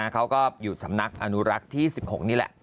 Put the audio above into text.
เขาก็อยู่สำนักอนุรักษ์ที่๑๖นี่แหละ